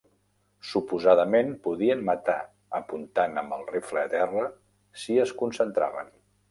Suposadament, podien matar apuntant amb el rifle a terra si es concentraven.